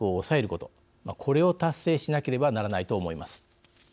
これを達成しなければならないと思います。